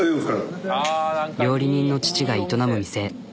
料理人の父が営む店。